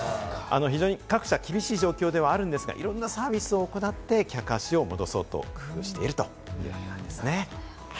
非常に各社厳しい状況ではあるんですが、いろんなサービスを行って客足を戻そうと工夫しているということなんですね。